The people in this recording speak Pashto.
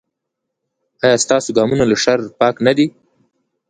ایا ستاسو ګامونه له شر پاک نه دي؟